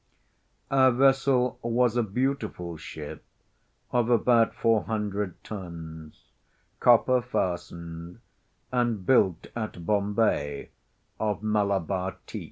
Our vessel was a beautiful ship of about four hundred tons, copper fastened, and built at Bombay of Malabar teak.